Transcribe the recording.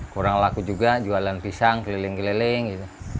kurang laku juga jualan pisang keliling keliling gitu